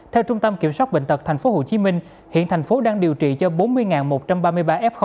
theo trung tâm kiểm soát bệnh tật tp hcm hiện thành phố đang điều trị cho bốn mươi một trăm ba mươi ba f